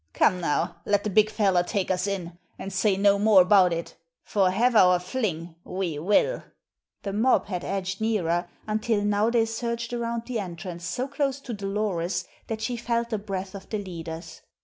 Come now, let the big feller take us in, and say no more about it, for have our fling, we will." The mob had edged nearer, until now they surged around the entrance so close to Dolores that she felt the breath of the leaders.